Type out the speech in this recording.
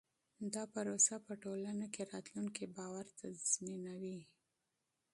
دا پروسه په ټولنه کې راتلونکی باور تضمینوي.